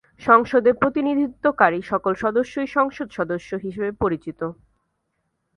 সংসদে প্রতিনিধিত্বকারী সকল সদস্যই 'সংসদ সদস্য' হিসেবে পরিচিত।